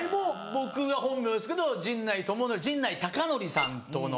僕は本名ですけど陣内智則陣内孝則さんとの。